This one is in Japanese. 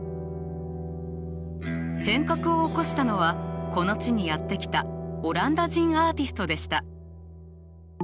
変革を起こしたのはこの地にやって来たオランダ人アーティストでした。